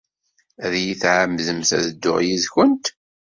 Ad iyi-tɛemmdemt ad dduɣ yid-kent?